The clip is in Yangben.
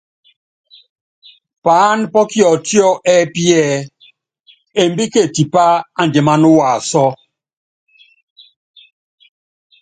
Paáná pɔ́ kiɔtiɔ ɛ́pí ɛɛ: Embíke tipa andiman waasɔ.